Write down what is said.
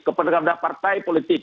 kepada partai politik